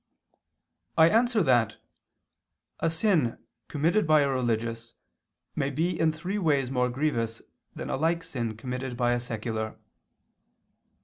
I answer that, A sin committed by a religious may be in three ways more grievous than a like sin committed by a secular.